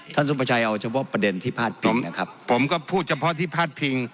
สุภาชัยเอาเฉพาะประเด็นที่พาดพิงนะครับผมก็พูดเฉพาะที่พาดพิง